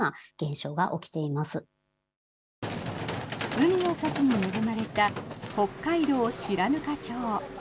海の幸に恵まれた北海道白糠町。